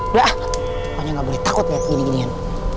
udah pokoknya nggak boleh takut liat gini ginian